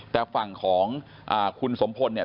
แต่ฝั่งของคุณสมพลเนี่ย